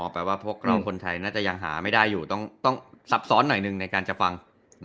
แปลว่าพวกเราคนไทยน่าจะยังหาไม่ได้อยู่ต้องซับซ้อนหน่อยหนึ่งในการจะฟัง